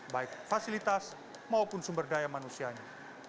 baik fasilitas maupun sumber daya manusianya